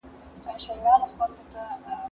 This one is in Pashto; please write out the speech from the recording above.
که وخت وي، د کتابتون کتابونه لوستل کوم!.